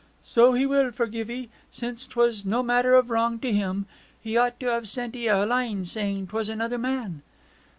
'So he will forgive 'ee, since 'twas no manner of wrong to him. He ought to have sent 'ee a line, saying 'twas another man.'